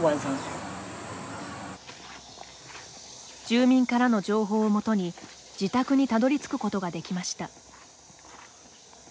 住民からの情報をもとに自宅にたどりつくことができました。